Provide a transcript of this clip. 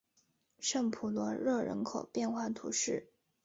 圣普罗热人口变化图示